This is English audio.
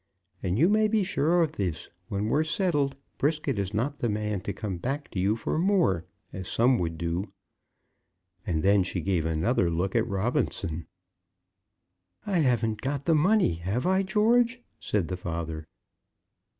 And you may be sure of this; when we're settled, Brisket is not the man to come back to you for more, as some would do." And then she gave another look at Robinson. "I haven't got the money; have I, George?" said the father.